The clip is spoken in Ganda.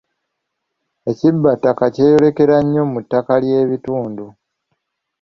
Ekibbattaka kyeyolekera nnyo mu ttaka ly'ebitundu.